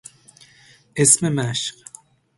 اسم مشتق